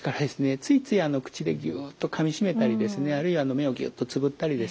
ついつい口でギュッとかみしめたりですねあるいは目をギュッとつむったりですね